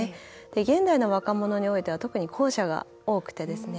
現代の若者においては特に後者が多くてですね。